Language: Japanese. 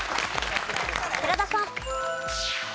寺田さん。